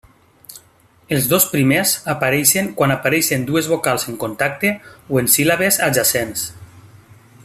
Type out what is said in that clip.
Els dos primers apareixen quan apareixen dues vocals en contacte o en síl·labes adjacents.